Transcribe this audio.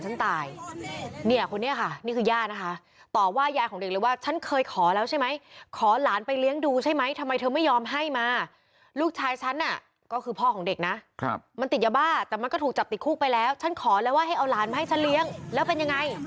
ให้ฉันเลี้ยงแล้วเป็นอย่างไร